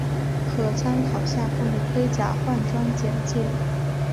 可参考下方的盔甲换装简介。